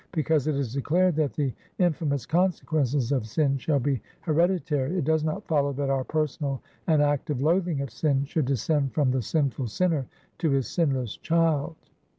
Because it is declared that the infamous consequences of sin shall be hereditary, it does not follow that our personal and active loathing of sin, should descend from the sinful sinner to his sinless child."